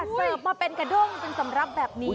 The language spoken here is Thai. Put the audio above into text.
เสิร์ฟมาเป็นกระด้งเป็นสำหรับแบบนี้